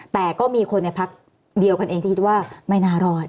แต่ก็มีคนในพักเดียวกันเองที่คิดว่าไม่น่ารอด